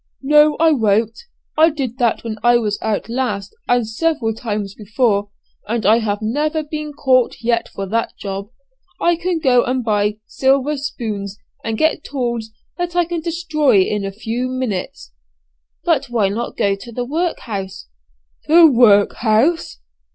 "No I won't. I did that when I was out last, and several times before, and I have never been caught yet for that job. I can go and buy silver spoons, and get tools that I can destroy in a few minutes." "But why not go to the workhouse?" "The workhouse!